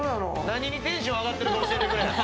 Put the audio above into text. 何にテンション上がってるか教えてくれ。